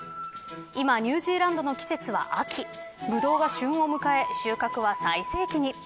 今、ニュージーランドの季節は秋ブドウが旬を迎え収穫は最盛期に。